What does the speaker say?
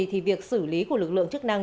thì việc xử lý của lực lượng chức năng